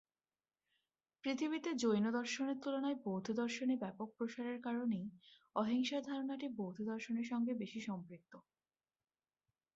পৃথিবীতে জৈনদর্শনের তুলনায় বৌদ্ধদর্শনে ব্যাপক প্রসারের কারণেই অহিংসার ধারণাটি বৌদ্ধদর্শনের সঙ্গে বেশি সম্পৃক্ত।